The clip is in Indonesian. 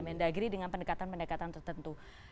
mendagri dengan pendekatan pendekatan tertentu